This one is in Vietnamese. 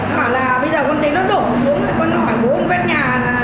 bảo là bây giờ con thấy nó đổ xuống con hỏi vô bên nhà